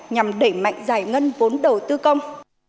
nhằm đẩy mạnh giải ngân vốn đầu tư công